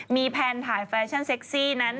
มีแพลนถ่ายแฟชั่นเซ็กซี่นั้น